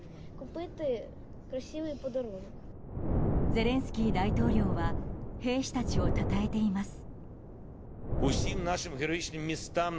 ゼレンスキー大統領は兵士たちをたたえています。